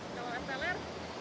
kalau es teler